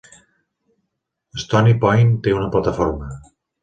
Stony Point té una plataforma.